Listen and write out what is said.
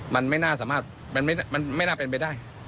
มันไม่น่าเป็นไปได้